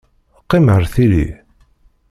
Qqim ar tili!